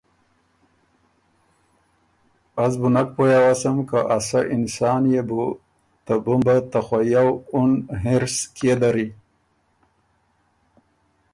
از بُو نک پویٛ اوسم که ا سۀ انسان يې بو ته بُمبه ته خویؤ اُن حِنرص کيې دَری؟